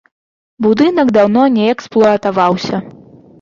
Будынак даўно не эксплуатаваўся.